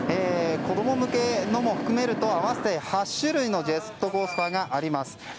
子供向けのものも含めると合わせて８種類のジェットコースターがあります。